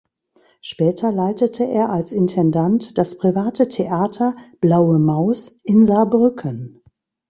Später leitete er als Intendant das private Theater „Blaue Maus“ in Saarbrücken.